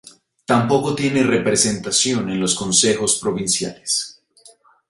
Tampoco tiene representación en los Consejos Provinciales.